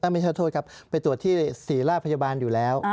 ไม่ใช่โทษครับไปตรวจที่ศรีราชพยาบาลอยู่แล้ว